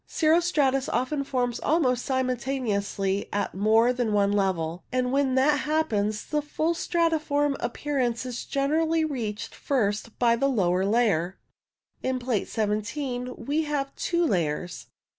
Cirro stratus often forms almost simultaneously at more than one level, and when that happens the full stratiform appearance is generally reached first by the lower layer. In Plate 17 we have two layers.